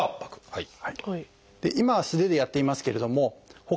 はい。